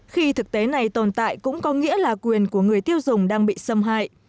khi thực tế này tồn tại cũng có nghĩa là quyền của người tiêu dùng đang bị xâm hại